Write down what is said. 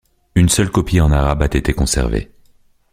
Une seule copie en arabe a été conservée.